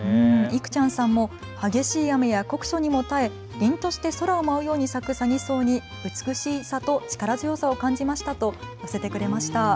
いくちゃんさんも激しい雨や酷暑にも耐えりんとして空を舞うように咲くサギソウに美しさと力強さを感じましたと寄せてくれました。